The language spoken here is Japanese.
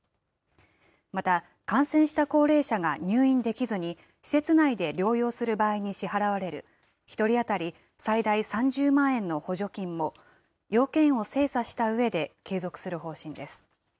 また、感染した高齢者が入院できずに、施設内で療養する場合に支払われる１人当たり最大３０万円の補助金も、要件を精査したうえで継続する方針です。